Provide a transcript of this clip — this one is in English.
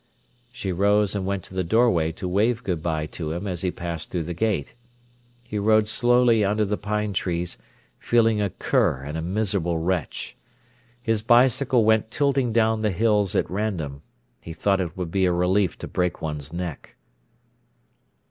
She rose and went to the doorway to wave good bye to him as he passed through the gate. He rode slowly under the pine trees, feeling a cur and a miserable wretch. His bicycle went tilting down the hills at random. He thought it would be a relief to break one's neck.